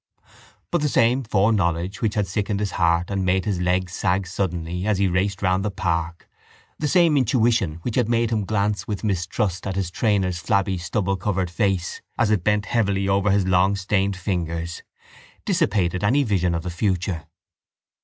But the same foreknowledge which had sickened his heart and made his legs sag suddenly as he raced round the park, the same intuition which had made him glance with mistrust at his trainer's flabby stubblecovered face as it bent heavily over his long stained fingers, dissipated any vision of the future.